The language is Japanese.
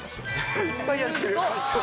いっぱいやってる。